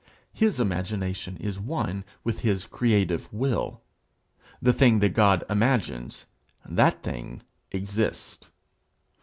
His imagination is one with his creative will. The thing that God imagines, that thing exists.